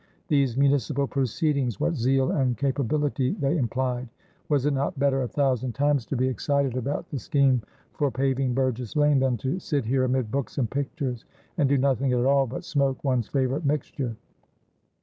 These municipal proceedings, what zeal and capability they implied! Was it not better, a thousand times, to be excited about the scheme for paving "Burgess Lane" than to sit here amid books and pictures, and do nothing at all but smoke one's favourite mixture?